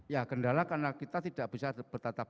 ya kendala karena kita tidak bisa bertatap